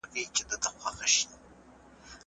په پرېکړو کې عدل څنګه پلی کېدای سي؟